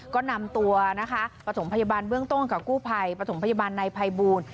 ก็นำตัวนะคะประถมพยาบาลเบื้องต้นกับกู้ภัยปฐมพยาบาลนายภัยบูล